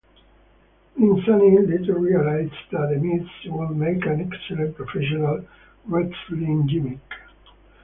Mizanin later realized that "The Miz" would make an excellent professional wrestling gimmick.